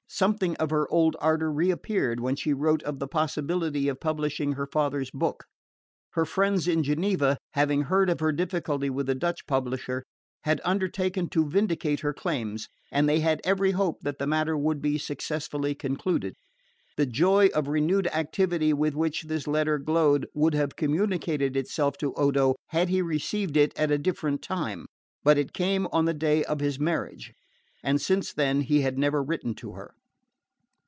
Something of her old ardour reappeared when she wrote of the possibility of publishing her father's book. Her friends in Geneva, having heard of her difficulty with the Dutch publisher, had undertaken to vindicate her claims; and they had every hope that the matter would be successfully concluded. The joy of renewed activity with which this letter glowed would have communicated itself to Odo had he received it at a different time; but it came on the day of his marriage, and since then he had never written to her.